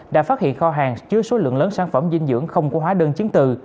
đã phát hiện kho hàng chứa số lượng lớn sản phẩm dinh dưỡng không có hóa đơn chứng từ